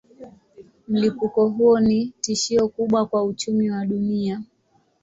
Mlipuko huo ni tishio kubwa kwa uchumi wa dunia.